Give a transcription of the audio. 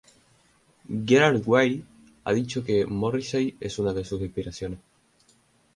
Gerard Way ha dicho que Morrissey es una de sus inspiraciones.